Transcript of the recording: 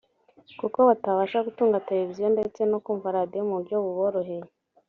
kuko batabasha gutunga televiziyo ndetse no kumva radio mu buryo buboroheye